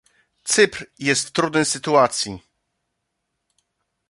Cypr jest w trudnej sytuacji.